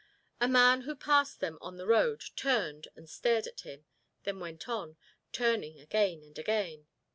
A man who passed them on the road turned and stared at him, then went on, turning again and again.